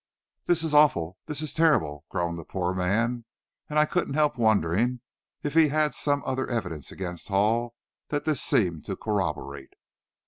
"This is awful! This is terrible!" groaned the poor man, and I couldn't help wondering if he had some other evidence against Hall that this seemed to corroborate.